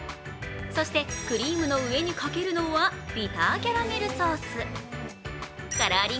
そしてクリームの上にかけるのはビターキャラメルソース。